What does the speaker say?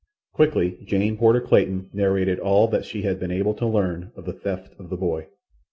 Quickly Jane Porter Clayton narrated all that she had been able to learn of the theft of the boy.